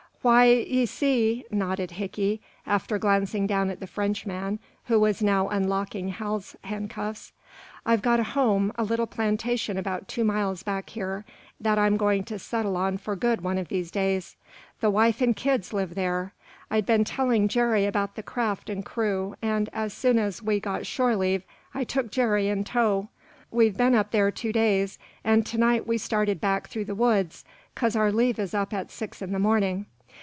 "Why, ye see," nodded Hickey, after glancing down at the Frenchman, who was now unlocking Hal's handcuffs, "I've got a home, a little plantation about two miles back here, that I'm going to settle on for good one of these days. The wife and kids live there. I'd been telling Jerry about the craft and crew, and, as soon as we got shore leave, I took Jerry in tow. We've seen up there two days, and to night we started back through the woods, 'cause our leave is up at six in the morning.